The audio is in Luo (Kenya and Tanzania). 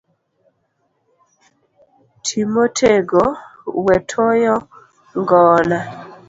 Ti motego, we toyo ngona